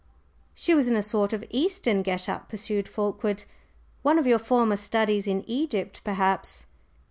"She was in a sort of Eastern get up," pursued Fulkeward, "one of your former studies in Egypt, perhaps."